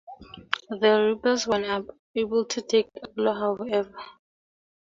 The rebels were unable to take Arklow however.